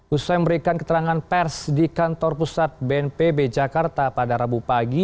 usai memberikan keterangan pers di kantor pusat bnpb jakarta pada rabu pagi